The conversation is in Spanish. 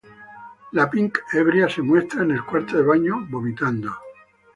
La Pink ebria se muestra en el cuarto de baño, vomitando.